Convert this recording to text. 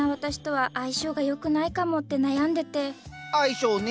相性ね。